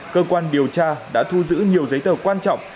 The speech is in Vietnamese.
cơ quan điều tra đã thu giữ nhiều giấy tờ quan trọng